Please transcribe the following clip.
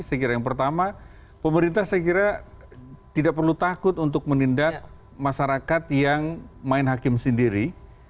saya kira yang pertama pemerintah saya kira tidak perlu takut untuk menindak masyarakat yang main hakim sendiri